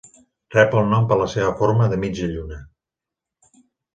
Rep el nom per la seva forma de mitja lluna.